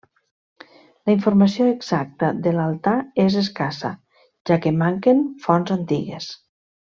La informació exacta de l'altar és escassa, ja que manquen fonts antigues.